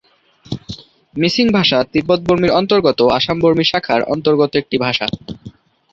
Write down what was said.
Missing ভাষা তিব্বত-বর্মীর অন্তর্গত আসাম-বর্মী শাখার অন্তর্গত একটি ভাষা।